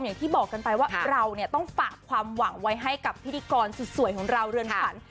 อย่างที่บอกกันไปว่าเราเนี่ยต้องฝากความหวังไว้ให้กับพิธีกรสุดสวยของเราเรือนขวัญ